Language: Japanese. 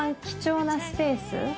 貴重なスペース。